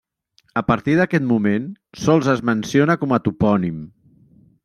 A partir d'aquest moment sols es menciona com a topònim.